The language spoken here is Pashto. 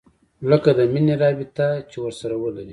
لکه د مينې رابطه چې ورسره ولري.